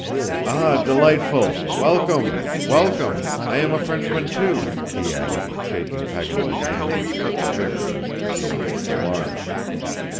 "Ah! delightful! Welcome, welcome. I am a Frenchman too," he added, shaking Paganel's hand with such vigor as to be almost alarming.